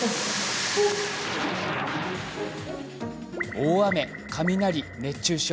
大雨、雷、熱中症。